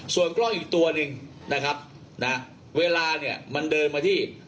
ส่วนกล้องอีกตัวหนึ่งนะครับนะเวลาเนี่ยมันเดินมาที่